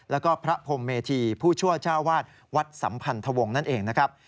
แล้วก็พระพรมเมธีผู้ช่วยเจ้าวาดวัดสัมพันธวงศ์